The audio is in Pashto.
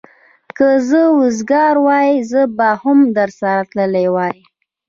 که زه وزګار وای، زه به هم درسره تللی وای.